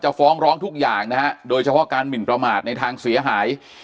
ฟ้องร้องทุกอย่างนะฮะโดยเฉพาะการหมินประมาทในทางเสียหาย